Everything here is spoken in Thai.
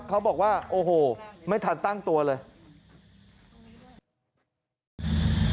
เขาบอกว่าโอ้โหไม่ทันตั้งตัวเลย